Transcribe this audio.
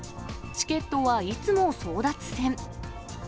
チケットはいつも争奪戦。